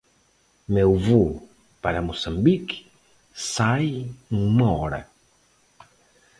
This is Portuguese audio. Meu voo para Moçambique sai em uma hora.